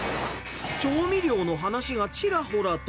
調味料の話がちらほらと。